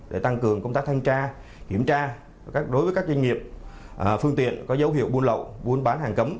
để tăng cường công tác thanh tra kiểm tra đối với các doanh nghiệp phương tiện có dấu hiệu buôn lậu buôn bán hàng cấm